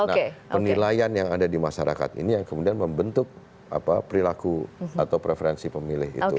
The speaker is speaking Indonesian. nah penilaian yang ada di masyarakat ini yang kemudian membentuk perilaku atau preferensi pemilih itu